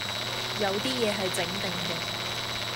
有啲野係整定嘅